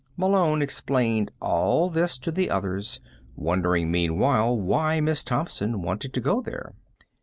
Malone explained all this to the others, wondering meanwhile why Miss Thompson wanted to go there.